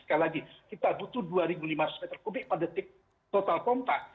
sekali lagi kita butuh dua lima ratus m tiga per detik total pompa